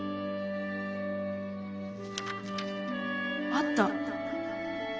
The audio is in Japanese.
あった！